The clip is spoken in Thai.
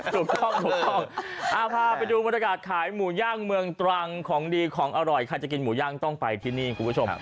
ถูกต้องถูกต้องพาไปดูบรรยากาศขายหมูย่างเมืองตรังของดีของอร่อยใครจะกินหมูย่างต้องไปที่นี่คุณผู้ชม